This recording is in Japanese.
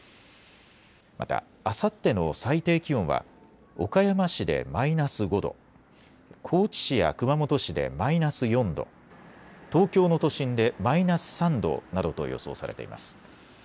また、あさっての最低気温は岡山市でマイナス５度、高知市や熊本市でマイナス４度、東京の都心でマイナス３度などと予想されています。